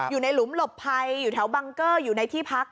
อยู่ในหลุมหลบภัยอยู่แถวบังเกอร์อยู่ในที่พัก